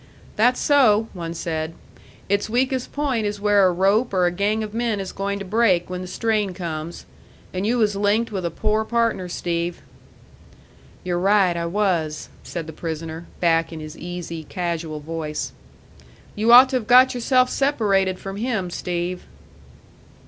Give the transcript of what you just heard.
"That's so," one said. "Its weakest point is where a rope or a gang of men is going to break when the strain comes. And you was linked with a poor partner, Steve." "You're right I was," said the prisoner, back in his easy, casual voice. "You ought to have got yourself separated from him, Steve."